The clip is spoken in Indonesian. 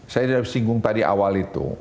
saya sudah singgung tadi awal itu